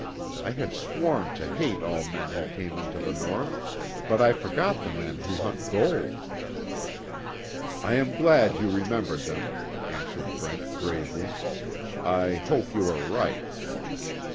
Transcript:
I had sworn to hate all white men who came into the North but I forgot the men who hunt gold." "I am glad you remembered them," answered Brent gravely. "I hope you are right."